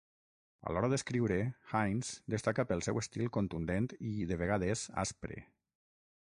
A l'hora d'escriure, Hines destaca pel seu estil contundent i, de vegades, aspre.